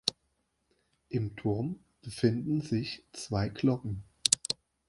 Im Turm befinden sich zwei Glocken.